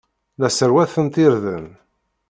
La sserwatent irden.